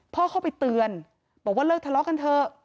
เข้าไปเตือนบอกว่าเลิกทะเลาะกันเถอะ